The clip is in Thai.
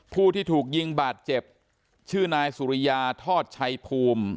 ผู้ที่ถูกยิงบาดเจ็บชื่อนายสุริยาทอดชัยภูมิ